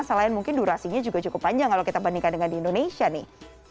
selain mungkin durasinya juga cukup panjang kalau kita bandingkan dengan di indonesia nih